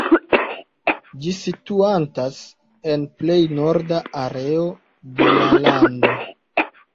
Ĝi situantas en plej norda areo de la lando.